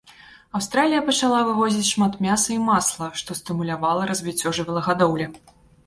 Аўстралія пачала вывозіць шмат мяса і масла, што стымулявала развіццё жывёлагадоўлі.